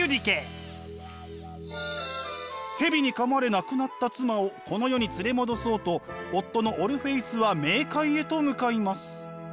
蛇に噛まれ亡くなった妻をこの世に連れ戻そうと夫のオルフェウスは冥界へと向かいます。